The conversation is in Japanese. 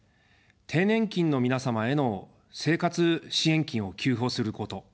低年金の皆様への生活支援金を給付をすること。